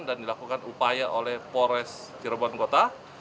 dan dilakukan upaya oleh polres cirebon kota